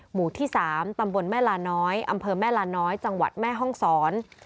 หมู่ที่๓ตำบลแม่ลาน้อยอำเภอแม่ลาน้อยจังหวัดแม่ห้องศร